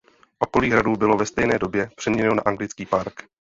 Okolí hradu bylo ve stejné době přeměněno na anglický park.